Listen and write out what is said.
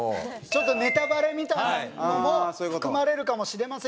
ちょっとネタバレみたいなのも含まれるかもしれませんっていう。